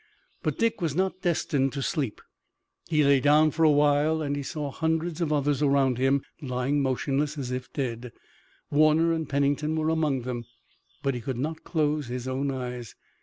But Dick was not destined to sleep. He lay down for a while, and he saw hundreds of others around him lying motionless as if dead. Warner and Pennington were among them, but he could not close his own eyes.